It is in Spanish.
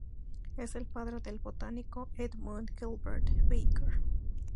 Es el padre del botánico Edmund Gilbert Baker.